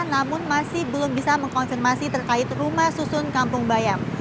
namun masih belum bisa mengkonfirmasi terkait rumah susun kampung bayam